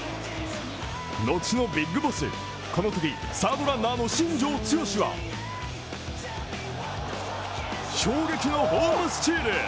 後のＢＩＧＢＯＳＳこのとき、サードランナーの新庄剛志は衝撃のホームスチール。